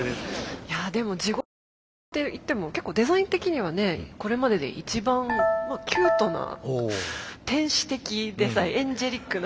いやでも地獄のローラーっていっても結構デザイン的にはねこれまでで一番キュートな天使的デザインエンジェリックな。